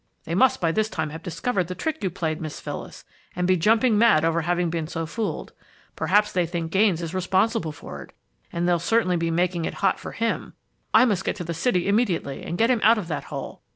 They must by this time have discovered the trick you played, Miss Phyllis, and be jumping mad over having been so fooled. Perhaps they think Gaines is responsible for it, and they'll certainly be making it hot for him! I must get to the city immediately and get him out of that hole.